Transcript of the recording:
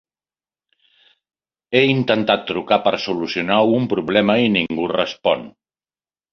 He intentat trucar per solucionar un problema i ningú respon.